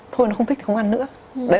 thôi nó không thích thì không ăn nữa